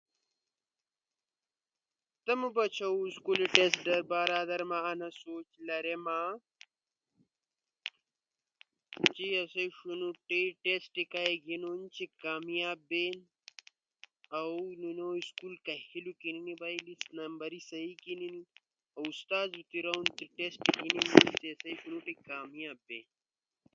تمو بچوں ٹیسٹ ٹئ بارہ دار انا سوچ تھئ مہ جی اسی شونوٹی کمیک بین اولی نو سکول کے ہیلو کینی نی بئ ا او کی کمیاپ بین اُستاد تی راؤ نہ جی ٹیسٹی گینین او شونوٹی کمئاپ بین